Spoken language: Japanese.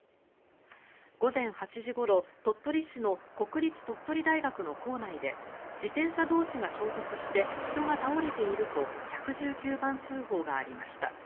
午前８時ごろ鳥取市の国立鳥取大学の構内で自転車同士が衝突して人が倒れていると１１９番通報がありました。